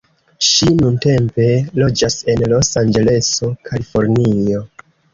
Ŝi nuntempe loĝas en Los-Anĝeleso, Kalifornio.